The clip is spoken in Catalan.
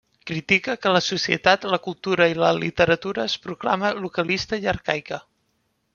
Critica que la societat, la cultura i la literatura es proclama localista i arcaica.